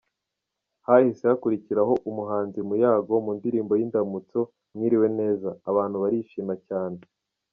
Hahise Hakurikiraho Umuhanzi Muyango mu ndirimo y’indamutso “Mwiriwe neza”, abantu barishima cyane.